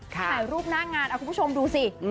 ถ่ายรูปหน้างานคุณผู้ชมดูสิ